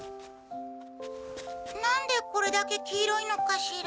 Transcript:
何でこれだけ黄色いのかしら。